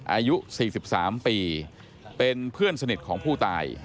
อายุ๔๓ปีเป็นเพื่อนสนิทของผู้ตาย